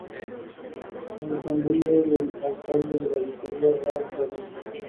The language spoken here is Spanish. Fue igualmente arquitecto municipal de la villa durante muchos años.